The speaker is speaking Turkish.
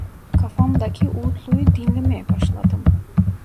Kafamdaki uğultuyu dinlemeye başladım.